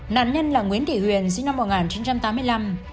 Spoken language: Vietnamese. nạn nhân là nguyễn thị huyền sinh năm một nghìn chín trăm tám mươi năm